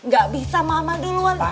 gak bisa mama duluan